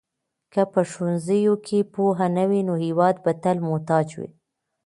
که په ښوونځیو کې پوهه نه وي نو هېواد به تل محتاج وي.